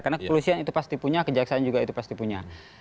karena kepolisian itu pasti punya kejaksaan juga itu pasti punya